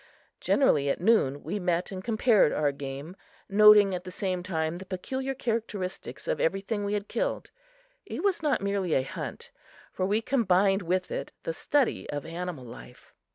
Generally, at noon, we met and compared our game, noting at the same time the peculiar characteristics of everything we had killed. It was not merely a hunt, for we combined with it the study of animal life.